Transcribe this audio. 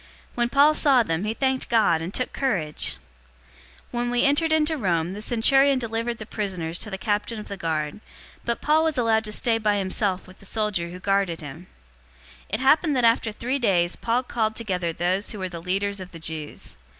When Paul saw them, he thanked God, and took courage. 028:016 When we entered into Rome, the centurion delivered the prisoners to the captain of the guard, but Paul was allowed to stay by himself with the soldier who guarded him. 028:017 It happened that after three days Paul called together those who were the leaders of the Jews.